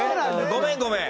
ごめんごめん。